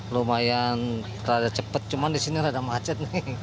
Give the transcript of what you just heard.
lumayan rada cepat cuman di sini rada macet nih